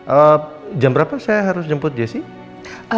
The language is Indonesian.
ehm jam berapa saya harus jemput jessica